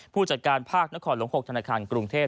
ผู้จัดการภาคนครหลวง๖ธนาคารกรุงเทพ